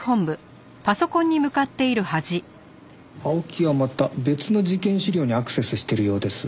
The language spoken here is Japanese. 青木はまた別の事件資料にアクセスしているようです。